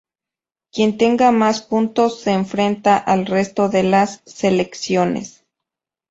Quien tenga más puntos se enfrenta al resto de las selecciones.